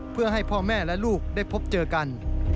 เพื่อให้พ่อแม่และลูกได้พบเจอกัน